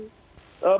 itu bulan oktober